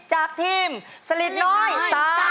จากทีมสลิดน้อย